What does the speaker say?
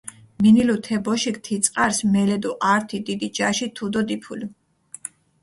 მინილუ თე ბოშიქ თი წყარს მელე დო ართი დიდი ჯაში თუდო დიფულჷ.